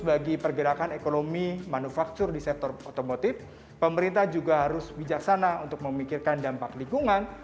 bagi pergerakan ekonomi manufaktur di sektor otomotif pemerintah juga harus bijaksana untuk memikirkan dampak lingkungan